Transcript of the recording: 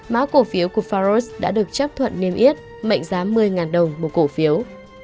má cổ phiếu của farus đã được chấp thuận niêm yết mệnh giá một mươi đồng một cổ phiếu